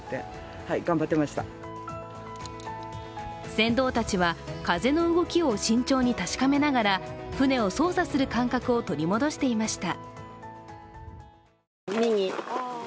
船頭たちは風の動きを慎重に確かめながら船を操作する感覚を取り戻していました。